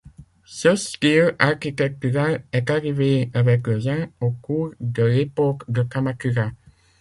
Ce style architectural est arrivé avec le Zen au cours de l'époque de Kamakura.